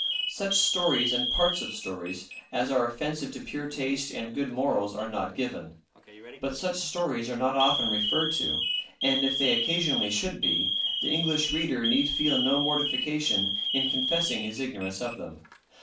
Such stories and parts of stories as are offensive to pure taste and good morals are not given. But such stories are not often referred to, and if they occasionally should be, the English reader need feel no mortification in confessing his ignorance of them.